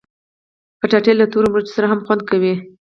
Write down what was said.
کچالو له تورو مرچو سره هم خوند کوي